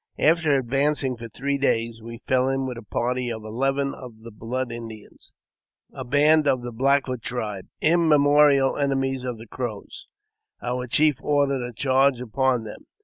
After advancing for three days, we fell in with a party of eleven of the Blood Indians, a band of the Black Foot tribe, immemorial enemies of the Crows Our chief ordered a charge upon them.